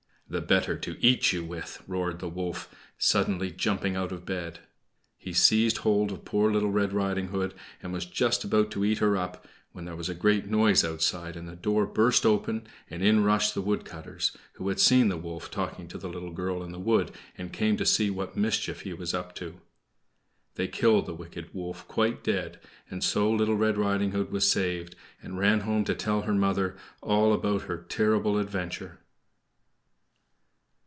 "The better to eat you with," roared the wolf, suddenly jumping out of bed. He seized hold of poor Little Red Riding Hood, and was just about to eat her up, when there was a great noise outside, and the door burst open and in rushed the wood cutters, who had seen the wolf talking to the little girl in the wood, and came to see what mischief he was up to. They killed the wicked wolf quite dead; and so Little Red Riding Hood was saved, and ran home to tell her mother all about her terrible adventure.